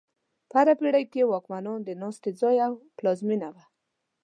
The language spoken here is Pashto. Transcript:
په هره پېړۍ کې د واکمنانو د ناستې ځای او پلازمینه وه.